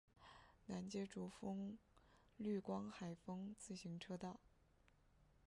南接竹风绿光海风自行车道。